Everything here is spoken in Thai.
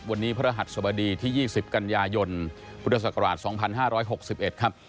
วันนี้พระหัสสบดีที่๒๐กันยายนพุทธศักราช๒๕๖๑ครับ